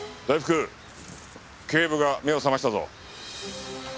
大福ケイブが目を覚ましたぞ。